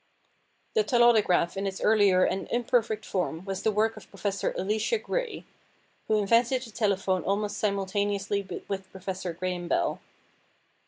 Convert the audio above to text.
The telautograph in its earlier and imperfect form was the work of Professor Elisha Gray, who invented the telephone almost simultaneously with Professor Graham Bell.